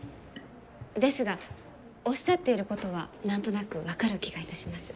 ですがおっしゃっていることは何となく分かる気がいたします。